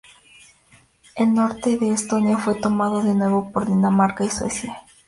El norte de Estonia fue tomado de nuevo por Dinamarca y Suecia.